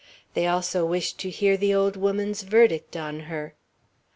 They also wished to hear the old woman's verdict on her.